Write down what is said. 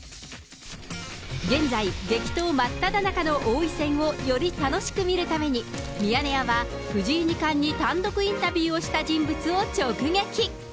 現在、激闘真っただ中の王位戦をより楽しく見るために、ミヤネ屋は藤井二冠に単独インタビューをした人物を直撃。